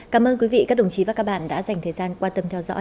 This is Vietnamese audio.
cảm ơn quý vị các đồng chí và các bạn đã dành thời gian quan tâm